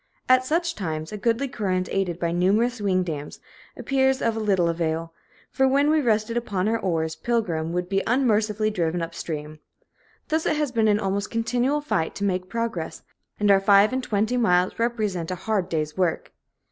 At such times a goodly current, aided by numerous wing dams, appears of little avail; for, when we rested upon our oars, Pilgrim would be unmercifully driven up stream. Thus it has been an almost continual fight to make progress, and our five and twenty miles represent a hard day's work.